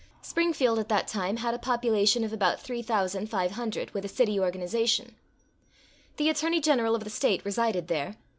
Springfield, at that time, had a population of about 3,500, with a city organization. The Attorney General of the State resided there.